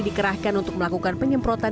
dikerahkan untuk melakukan penyemprotan